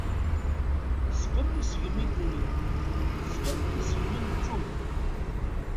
Tesgem isegmi ddunit, tesgem isegmi n ttut.